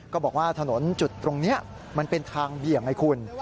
บอกว่าถนนจุดตรงนี้มันเป็นทางเบี่ยงไอ้คุณ